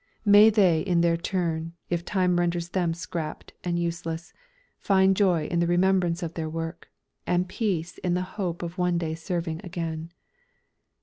May they in their turn, if time renders them "scrapped" and useless, find joy in the remembrance of their work, and peace in the hope of one day serving again.